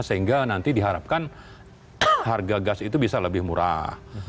sehingga nanti diharapkan harga gas itu bisa lebih murah